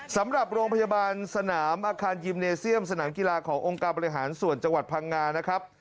สำหรับโรงพยาบาลสนามอาคารยิมเนเซียมสนามกีฬาขององค์การบริหารส่วนจังหวัดพังงานะครับ